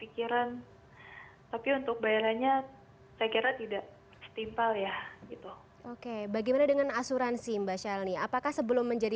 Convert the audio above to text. kpps dengan segala konsekuensi